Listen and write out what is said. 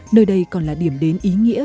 nơi đây còn là điểm đến ý nghĩa